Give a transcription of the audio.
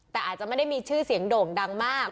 แต่อาจจะไม่ได้มีชื่อเสียงโด่งดังมาก